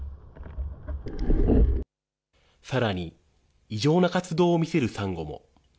さらに、異常な活動を見せるサンゴも。